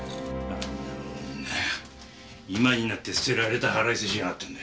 今になって捨てられた腹いせしやがったんだ。